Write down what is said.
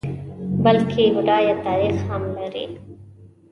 بلکه بډایه تاریخ هم لري.